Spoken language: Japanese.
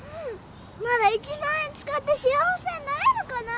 まだ１万円使って幸せになれるかな？